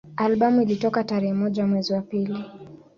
Albamu ilitoka tarehe moja mwezi wa pili